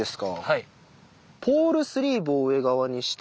はい。